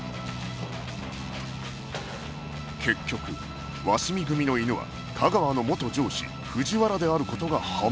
結局鷲見組の犬は架川の元上司藤原である事が判明